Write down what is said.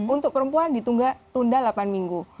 untuk perempuan ditunda tunda delapan minggu